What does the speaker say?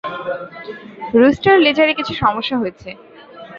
Rooster, লেজারে কিছু সমস্যা হয়েছে।